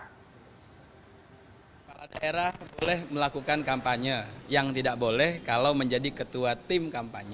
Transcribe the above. kepala daerah boleh melakukan kampanye yang tidak boleh kalau menjadi ketua tim kampanye